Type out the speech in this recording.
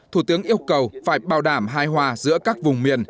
thủ tướng yêu cầu phải bảo đảm hai hòa giữa các vùng miền